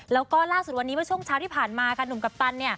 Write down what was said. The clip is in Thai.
แล้วก็ล่าสุดวันนี้เมื่อช่วงเช้าที่ผ่านมาค่ะหนุ่มกัปตัน